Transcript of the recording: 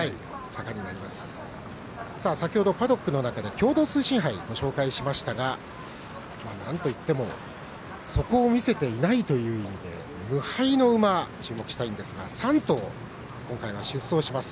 先ほどパドックの中で共同通信杯ご紹介しましたがなんといっても底を見せていないという意味で無敗の馬に注目したいんですが３頭、今回は出走します。